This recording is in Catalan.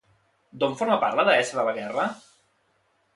D'on forma part la deessa de la guerra?